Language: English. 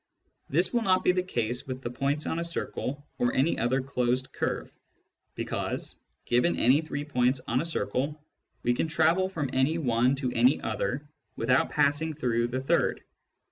This will not be the case with the points on a circle or any other closed curve, because, given any three points on a circle, we can travel from any one to any other without passing through the third.